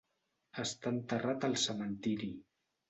Està enterrat al cementiri.